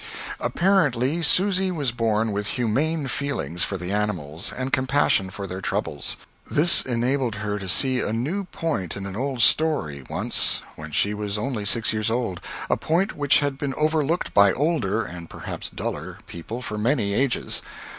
Apparently, Susy was born with humane feelings for the animals, and compassion for their troubles. This enabled her to see a new point in an old story, once, when she was only six years old a point which had been overlooked by older, and perhaps duller, people for many ages.